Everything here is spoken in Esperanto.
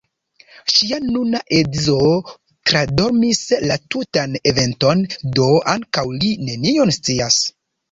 Ŝia nuna edzo tradormis la tutan eventon, do ankaŭ li nenion scias.